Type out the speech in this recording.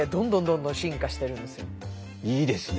いいですね。